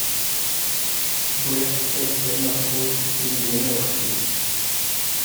Wwiɣ-d tasedda n rrxul, i yizem aweḥci.